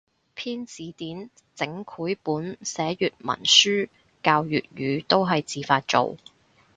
編字典整繪本寫粵文書教粵語都係自發做